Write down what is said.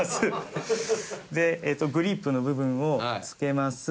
でグリップの部分を付けます。